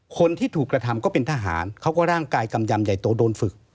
คนที่ถูกกระทำก็เป็นทหารเขาก็ร่างกายกำยำใหญ่โตโดนฝึก